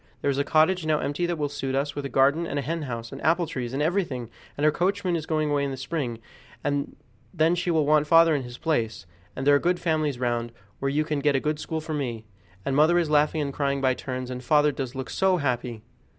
There is a cottage now empty that will just suit us, with a garden and a henhouse, and apple trees, and everything! and her coachman is going away in the spring, and then she will want father in his place; and there are good families round, where you can get a place in the garden or the stable, or as a page boy; and there's a good school for me; and mother is laughing and crying by turns, and father does look so happy!"